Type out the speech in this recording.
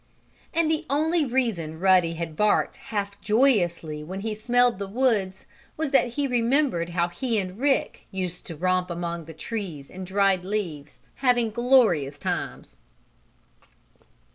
And the only reason Ruddy had barked half joyously when he smelled the woods was that he remembered how he and Rick had used to romp among the trees and dried leaves, having glorious times.